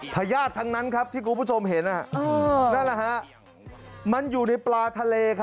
พญาติทั้งนั้นครับที่คุณผู้ชมเห็นนั่นแหละฮะมันอยู่ในปลาทะเล